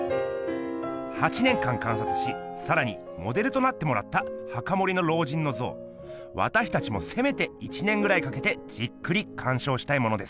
８年間観察しさらにモデルとなってもらった墓守の老人の像わたしたちもせめて１年ぐらいかけてじっくりかんしょうしたいものです。